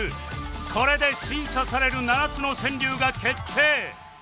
これで審査される７つの川柳が決定